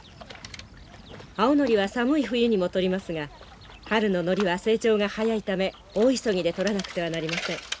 青ノリは寒い冬にも採りますが春のノリは成長が早いため大急ぎで採らなくてはなりません。